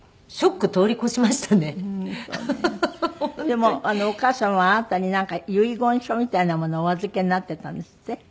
でもお母様はあなたになんか遺言書みたいなものをお預けになっていたんですって？